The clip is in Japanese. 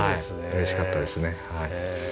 うれしかったですねはい。